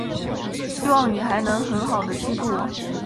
希望你还能很好地记住我。